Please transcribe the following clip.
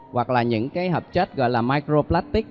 hoặc là những hợp chất gọi là microplastic